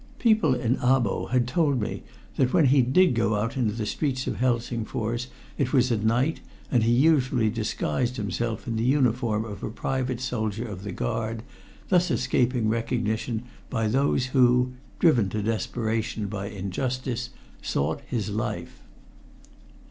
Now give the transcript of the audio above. People in Abo had told me that when he did go out into the streets of Helsingfors it was at night, and he usually disguised himself in the uniform of a private soldier of the guard, thus escaping recognition by those who, driven to desperation by injustice, sought his life.